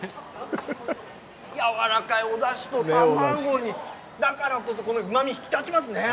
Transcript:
やわらかいおだしと卵に、だからこそこのうまみ、引き立ちますね。